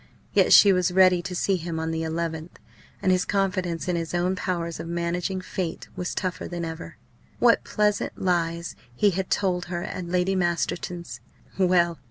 Yet she was ready to see him on the 11th; and his confidence in his own powers of managing fate was tougher than ever. What pleasant lies he had told her at Lady Masterton's! Well!